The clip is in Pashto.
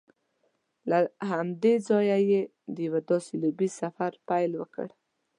له همدې ځایه یې د یوه داسې لوبیز سفر پیل وکړ